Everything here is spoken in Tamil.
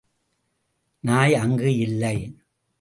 நாய் அங்கு இல்லை.